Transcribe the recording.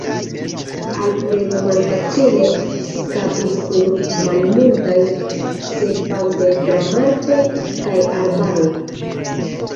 Alfredo malfacile eskapis kun malmultaj sekvantoj tra marĉoj kaj arbaroj.